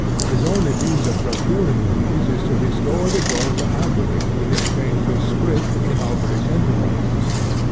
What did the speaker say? His only means of procuring these is to restore the gold to Alberic in exchange for scrip in Alberic's enterprises.